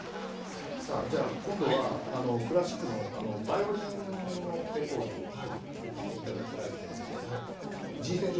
じゃあ今度はクラシックのバイオリンのレコードをお聴きいただきたいと思います。